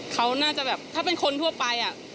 เขาน่าจะแบบถ้าเป็นคนทั่วไป